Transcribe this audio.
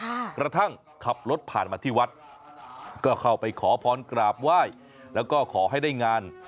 กระทั่งขับรถผ่านมาที่วัดก็เข้าไปขอพรกราบไหว้แล้วก็ขอให้ได้งาน